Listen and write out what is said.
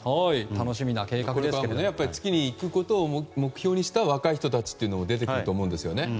楽しみな計画ですけど月に行くことを目標にした若い人たちも出てくると思うんですよね。